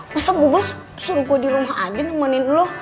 masa bubos suruh gue di rumah aja nemenin lo